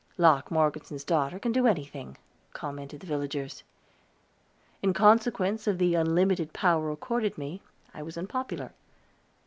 "Locke Morgeson's daughter can do anything," commented the villagers. In consequence of the unlimited power accorded me I was unpopular.